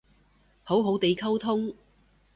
好好哋溝通